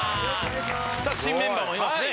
新メンバーもいますね。